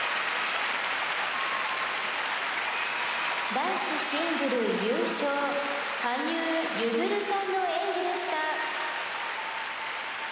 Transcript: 「男子シングル優勝羽生結弦さんの演技でした」。